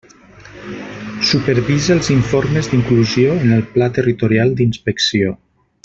Supervisa els informes d'inclusió en el Pla territorial d'inspecció.